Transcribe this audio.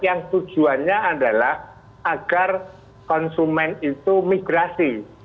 yang tujuannya adalah agar konsumen itu migrasi